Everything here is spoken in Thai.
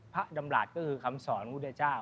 พระดำราชก็คือคำสอนของพุทธเจ้า